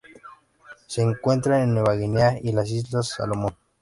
Se encuentran en Nueva Guinea y las Islas Salomón.